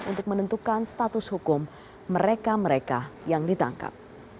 untuk menentukan status hukum mereka mereka yang ditangkap